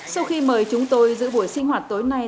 sau khi mời chúng tôi giữ buổi sinh hoạt tối nay